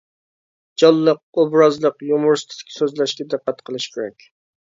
جانلىق، ئوبرازلىق، يۇمۇرىستىك سۆزلەشكە دىققەت قىلىش كېرەك.